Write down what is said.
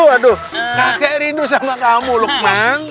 aduh kakek rindu sama kamu lukman